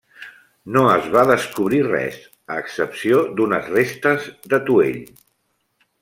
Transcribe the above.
No es va descobrir res, a excepció d'unes restes d'atuell.